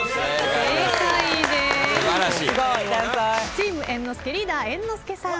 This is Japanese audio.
チーム猿之助リーダー猿之助さん。